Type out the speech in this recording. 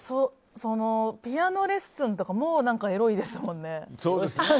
「ピアノレッスン」とかもうエロいですもんね。